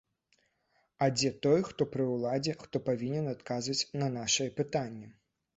А дзе той, хто пры ўладзе, хто павінен адказваць на нашыя пытанні?